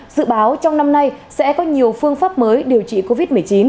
dự báo trong năm nay sẽ có nhiều phương pháp mới điều trị covid một mươi chín